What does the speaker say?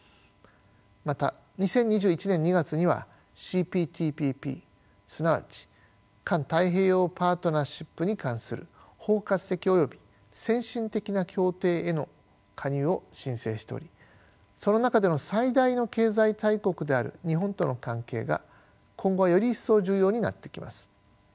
また２０２１年２月にはＣＰＴＰＰすなわち環太平洋パートナーシップに関する包括的および先進的な協定への加入を申請しておりその中での最大の経済大国である日本との関係が今後はより一層重要になってきます。